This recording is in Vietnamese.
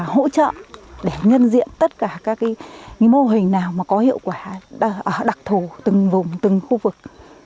hỗ trợ để nhân diện tất cả các mô hình nào có hiệu quả ở đặc thù từng vùng từng khu vực